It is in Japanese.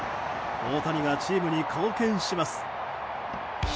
大谷がチームに貢献します。